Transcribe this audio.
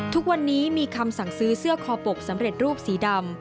ทุกวันนี้มีคำสั่งซื้อเสื้อคอปกสำเร็จรูปสีดำ